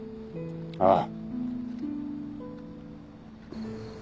ああ。